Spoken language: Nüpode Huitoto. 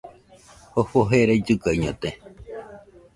Jofo jerai llɨgaiñote